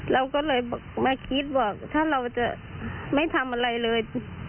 เราก็เลยมาคิดว่าถ้าเราจะไม่ทำอะไรเลย